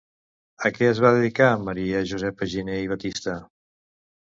A què es va dedicar Maria Josepa Giner i Batista?